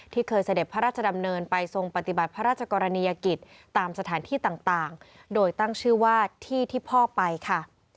เคยเสด็จพระราชดำเนินไปทรงปฏิบัติพระราชกรณียกิจตามสถานที่ต่างโดยตั้งชื่อว่าที่ที่พ่อไปค่ะ